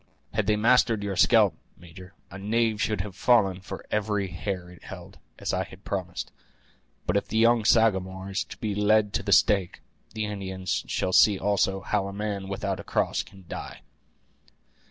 Had they mastered your scalp, major, a knave should have fallen for every hair it held, as I promised; but if the young Sagamore is to be led to the stake, the Indians shall see also how a man without a cross can die."